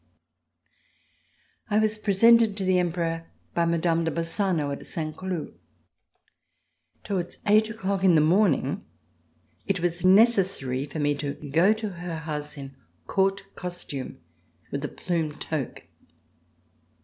I was presented to the Emperor by Mme. de Bassano at Saint Cloud. Towards eight o'clock in the morning, it was necessary for me to go to her house in Court costume, with a plumed toque.